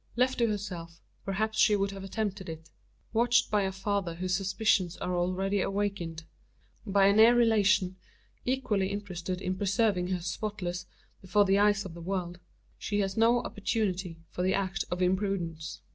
Left to herself, perhaps she would have attempted it. Watched by a father whose suspicions are already awakened; by a near relation, equally interested in preserving her spotless, before the eyes of the world she has no opportunity for the act of imprudence.